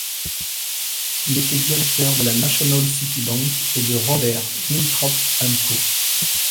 Il était directeur de la National City Bank et de Robert Winthrop and Co..